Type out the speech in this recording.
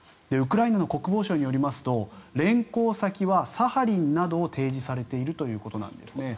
ウクライナの国防省によりますと連行先はサハリンなどを提示されているということです。